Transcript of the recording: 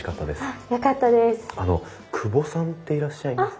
あの久保さんっていらっしゃいます？